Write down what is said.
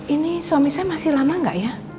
ini suami saya masih lama nggak ya